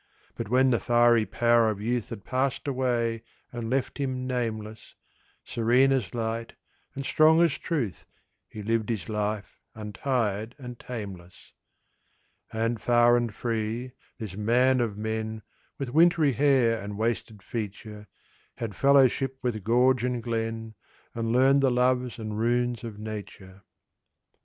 But when the fiery power of youth Had passed away and left him nameless, Serene as light, and strong as truth, He lived his life, untired and tameless. And, far and free, this man of men, With wintry hair and wasted feature, Had fellowship with gorge and glen, And learned the loves and runes of Nature.